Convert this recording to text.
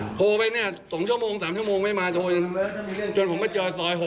ทดโทรไปนะ๒ชั่วโมง๓ชั่วโมงไม่มาจนผมก็เจอศร้อย๖อะ